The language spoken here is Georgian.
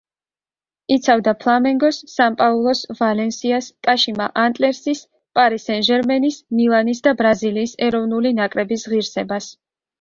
იცავდა „ფლამენგოს“, „სან-პაულუს“, „ვალენსიას“, „კაშიმა ანტლერსის“, „პარი სენ-ჟერმენის“, „მილანის“ და ბრაზილიის ეროვნული ნაკრების ღირსებას.